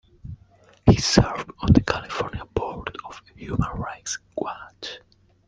He served on the California Board of Human Rights Watch.